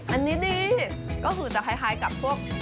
อันนี้ดีก็คือจะคล้ายกับพวก